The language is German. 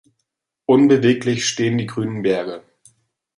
Unbeweglich stehen die grünen Berge.